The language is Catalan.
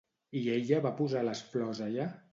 I ella va posar les flors allà?